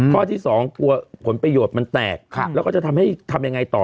ข้อที่๒กลัวผลประโยชน์มันแตกแล้วก็จะทำให้ทำยังไงต่อ